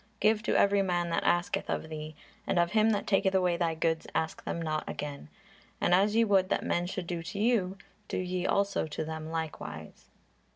Give to every man that asketh of thee; and of him that taketh away thy goods ask them not again. And as ye would that men should do to you, do ye also to them likewise."